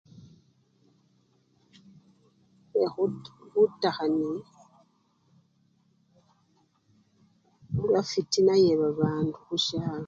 Lwe! butakhanyi lwafwitina yebabandu khusyalo.